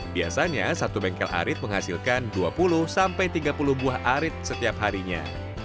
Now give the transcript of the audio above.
biasanya satu bengkel arit menghasilkan dua puluh sampai tiga puluh buah arit setiap harinya